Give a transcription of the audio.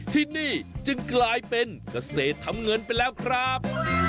ที่นี่จึงกลายเป็นเกษตรทำเงินไปแล้วครับ